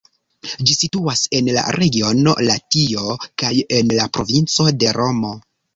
Ĝi situas en la regiono Latio kaj en la provinco de Romo.